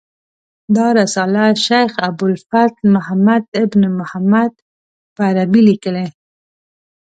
دا رساله شیخ ابو الفتح محمد بن محمد په عربي لیکلې.